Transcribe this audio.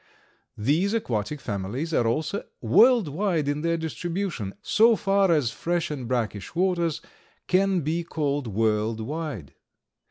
These aquatic families are also world wide in their distribution, so far as fresh and brackish waters can be called world wide.